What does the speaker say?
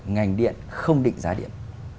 ngành điện không định giá điện